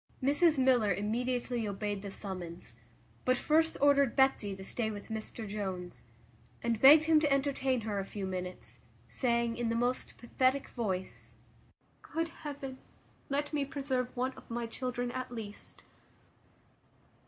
Mrs Miller immediately obeyed the summons; but first ordered Betsy to stay with Mr Jones, and begged him to entertain her a few minutes, saying, in the most pathetic voice, "Good heaven! let me preserve one of my children at least."